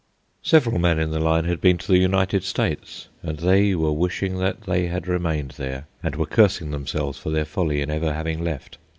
Several men in the line had been to the United States, and they were wishing that they had remained there, and were cursing themselves for their folly in ever having left.